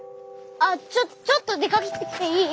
あっちょっとちょっと出かけてきていい？